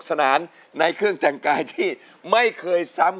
กว่าจะจบรายการเนี่ย๔ทุ่มมาก